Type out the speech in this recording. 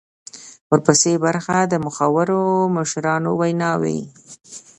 ورپسې برخه د مخورو مشرانو ویناوي وې.